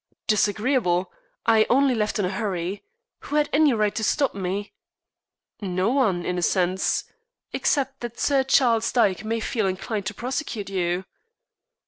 "Disagreeable? I only left in a hurry. Who had any right to stop me?" "No one, in a sense, except that Sir Charles Dyke may feel inclined to prosecute you."